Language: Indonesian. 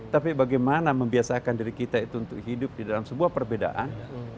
tapi bagaimana membiasakan diri kita itu untuk hidup di dalam sebuah perbedaan